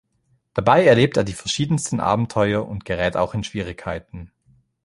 Dabei erlebt er die verschiedensten Abenteuer und gerät auch in Schwierigkeiten.